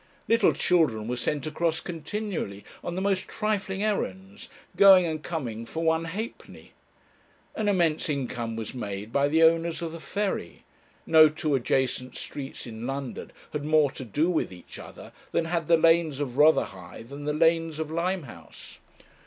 Little children were sent across continually on the most trifling errands, going and coming for one halfpenny. An immense income was made by the owners of the ferry. No two adjacent streets in London had more to do with each other than had the lanes of Rotherhithe and the lanes of Limehouse.